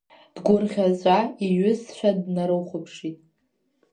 Дгәырӷьаҵәа иҩызцәа днарыхәаԥшит.